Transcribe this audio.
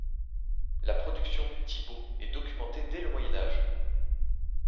La production du tybo est documentée dès le Moyen Âge.